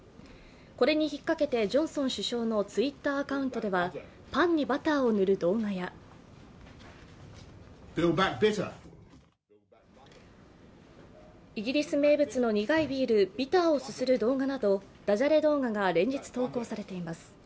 これに引っ掛けてジョンソン首相のＴｗｉｔｔｅｒアカウントでは、パンにバターを塗る動画やイギリス名物の苦いビールビターをすする動画などダジャレ動画が連日投稿されています。